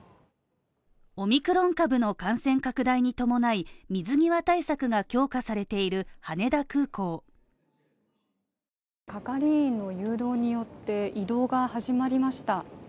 オミクロン株の感染拡大に伴い、水際対策が強化されている羽田空港係員の誘導によって移動が始まりました。